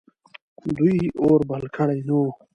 دوی اور بل کړی نه و.